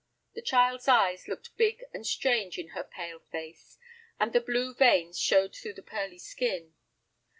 The child's eyes looked big and strange in her pale face, and the blue veins showed through the pearly skin.